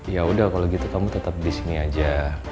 ya udah kalau gitu kamu tetap disini aja